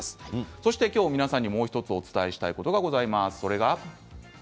そして今日、皆さんにもう１つお伝えしたいことがございます。